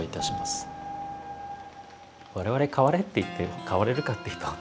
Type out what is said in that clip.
我々「変われ」って言って変われるかっていうと。